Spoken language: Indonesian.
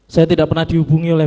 saya tidak pernah dihubungi oleh